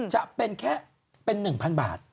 จะเป็นแค่๑๐๐๐บาท